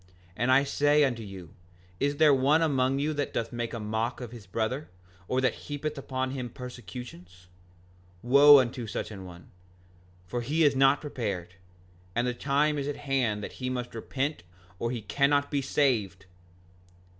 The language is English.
5:30 And again I say unto you, is there one among you that doth make a mock of his brother, or that heapeth upon him persecutions? 5:31 Wo unto such an one, for he is not prepared, and the time is at hand that he must repent or he cannot be saved!